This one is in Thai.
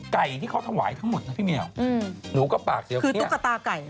ไก่ที่เขาถวายทั้งหมดนะพี่แมวหนูก็ปากเสียวเขี้ยวคือตุ๊กกระตาไก่